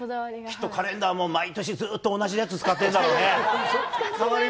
きっとカレンダーも毎年、ずっと同じやつ使ってるんだろうね。